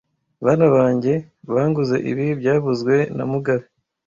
Bana banjye banguze ibi byavuzwe na mugabe